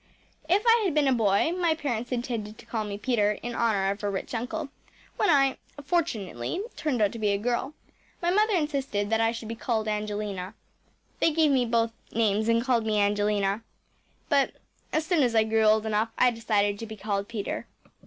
‚ÄĚ “If I had been a boy my parents intended to call me Peter in honour of a rich uncle. When I fortunately turned out to be a girl my mother insisted that I should be called Angelina. They gave me both names and called me Angelina, but as soon as I grew old enough I decided to be called Peter.